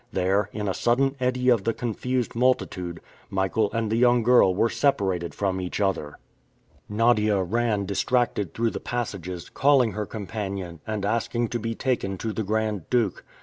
There, in a sudden eddy of the confused multitude, Michael and the young girl were separated from each other. Nadia ran distracted through the passages, calling her companion, and asking to be taken to the Grand Duke.